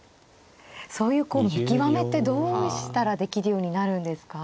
そういう見極めってどうしたらできるようになるんですか。